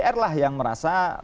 dpr lah yang merasa